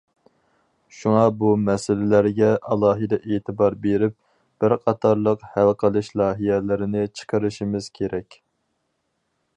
شۇڭا بۇ مەسىلىلەرگە ئالاھىدە ئېتىبار بېرىپ، بىر قاتارلىق ھەل قىلىش لايىھەلىرىنى چىقىرىشىمىز كېرەك.